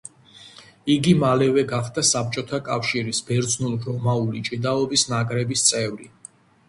იგი მალევე გახდა საბჭოთა კავშირის ბერძნულ-რომაული ჭიდაობის ნაკრების წევრი.